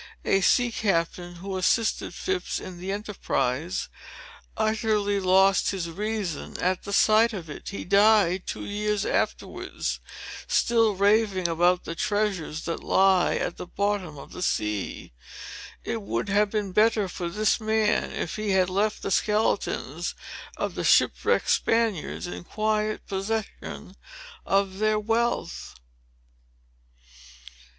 A sea captain, who had assisted Phips in the enterprise, utterly lost his reason at the sight of it. He died two years afterwards, still raving about the treasures that lie at the bottom of the sea. It would have been better for this man, if he had left the skeletons of the shipwrecked Spaniards in quiet possession of their wealth.